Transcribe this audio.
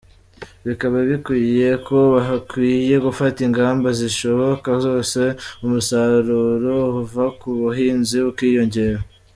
Bikaba bikwiye ko hakwiye gufata ingamba zishoboka zose umusaruro uva ku buhinzi ukiyongera.